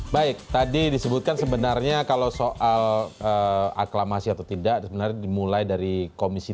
baik tadi disebutkan sebenarnya kalau soal aklamasi atau tidak sebenarnya dimulai dari komisi tiga